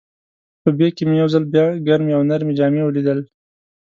په بیک کې مې یو ځل بیا ګرمې او نرۍ جامې ولیدل.